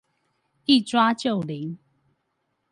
一抓就靈！